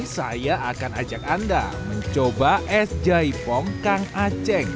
saya akan ajak anda mencoba es jaipong kang aceng